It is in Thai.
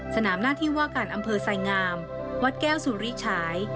หน้าที่ว่าการอำเภอไสงามวัดแก้วสุริฉาย